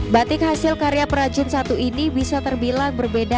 batik hasil karya perajin satu ini bisa terbilang berbeda